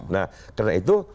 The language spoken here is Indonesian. nah karena itu